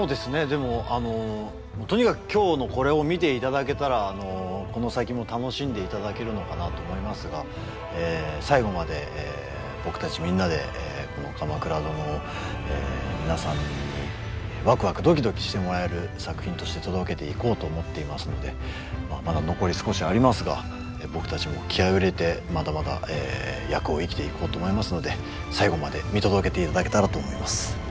でもあのとにかく今日のこれを見ていただけたらこの先も楽しんでいただけるのかなと思いますが最後まで僕たちみんなでこの「鎌倉殿」を皆さんにワクワクドキドキしてもらえる作品として届けていこうと思っていますのでまだ残り少しありますが僕たちも気合いを入れてまだまだ役を生きていこうと思いますので最後まで見届けていただけたらと思います。